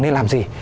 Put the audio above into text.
nên làm gì